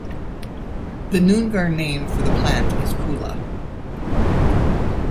The Noongar name for the plant is koolah.